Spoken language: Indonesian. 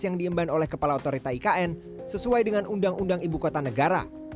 yang diemban oleh kepala otorita ikn sesuai dengan undang undang ibu kota negara